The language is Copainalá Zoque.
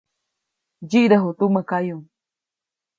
Ntsyidäju tumä kayuʼ.